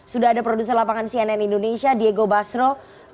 sudah ada produser lapangan cnn indonesia diego basro